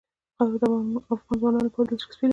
خاوره د افغان ځوانانو لپاره دلچسپي لري.